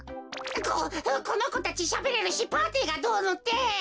ここのこたちしゃべれるしパーティーがどうのってほら！